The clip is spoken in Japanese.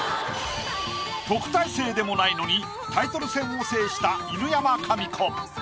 特待生でもないのにタイトル戦を制した犬山紙子。